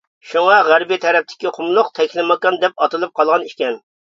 شۇڭا غەربى تەرەپتىكى قۇملۇق «تەكلىماكان» دەپ ئاتىلىپ قالغان ئىكەن.